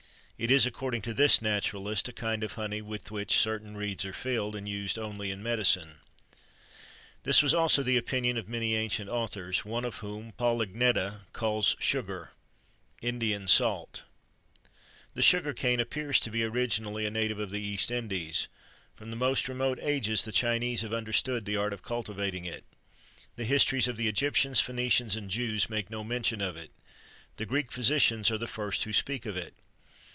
It is, according to this naturalist, a kind of honey, with which certain reeds are filled, and used only in medicine.[XXIII 69] This was also the opinion of many ancient authors;[XXIII 70] one of whom, Paul Eginetta, calls sugar Indian salt.[XXIII 71] The sugar cane appears to be originally a native of the East Indies. From the most remote ages the Chinese have understood the art of cultivating it. The histories of the Egyptians, Phœnicians, and Jews, make no mention of it. The Greek physicians are the first who speak of it.